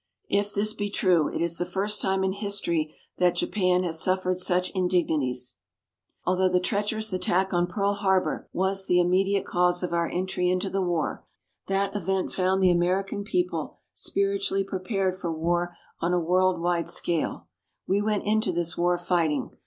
If this be true, it is the first time in history that Japan has suffered such indignities. Although the treacherous attack on Pearl Harbor was the immediate cause of our entry into the war, that event found the American people spiritually prepared for war on a world wide scale. We went into this war fighting.